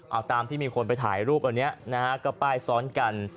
เอาตามที่มีคนไปถ่ายรูปอันนี้นะฮะก็ป้ายซ้อนกัน